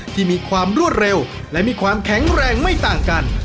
ที่มีความรวดเร็วและมีความแข็งแรงไม่ต่างกัน